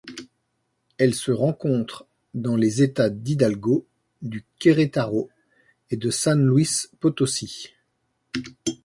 Elle se rencontre dans les États d'Hidalgo, du Querétaro et de San Luis Potosí.